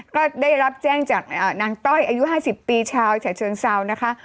ก็ได้รับแจ้งจากนางต้อยอายุ๕๐ปีชาวฉะเชิงเซานะคะ